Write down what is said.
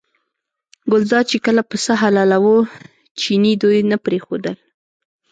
ګلداد چې کله پسه حلالاوه چیني دوی نه پرېښودل.